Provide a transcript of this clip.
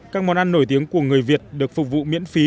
các món ăn nổi tiếng của người việt được phục vụ miễn phí